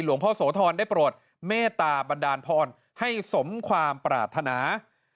พ่อโสธรได้โปรดเมตตาบันดาลพรให้สมความปรารถนา